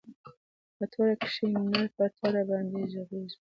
په توره کښې نر په توره باندې ږغېږي.